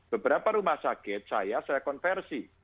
beberapa rumah sakit saya saya konversi